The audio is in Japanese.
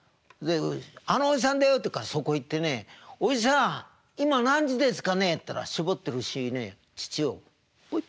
「あのおじさんだよ」って言うからそこへ行ってね「おじさん今何時ですかね？」って言ったら搾ってる牛にね乳をポイッ。